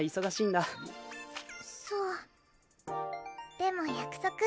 でも約束。